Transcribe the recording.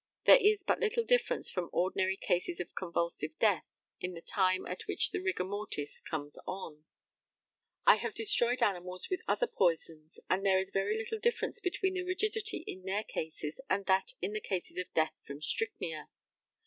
There is but little difference from ordinary cases of convulsive death in the time at which the rigor mortis comes on. I have destroyed animals with other poisons, and there is very little difference between the rigidity in their cases and that in the cases of death from strychnia.